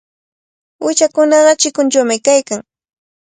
Uyshakunaqa chikunchawmi kaykan.